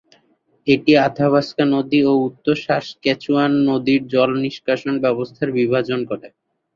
এটি আথাবাস্কা নদী ও উত্তর সাসক্যাচুয়ান নদীর জল নিষ্কাশন ব্যবস্থার বিভাজন করে।